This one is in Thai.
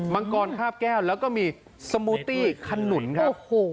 มังกรคาบแก้วแล้วก็มีสมูตี้ขนุนครับ